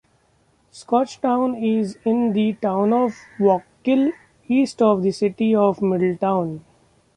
Scotchtown is in the Town of Wallkill, east of the City of Middletown.